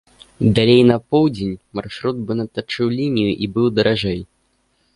Далей на поўдзень маршрут бы надтачыў лінію і быў даражэй.